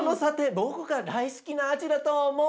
僕が大好きな味だと思う。